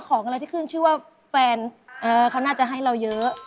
ของอะไรที่ขึ้นชื่อว่าแฟนเขาน่าจะให้เราเยอะ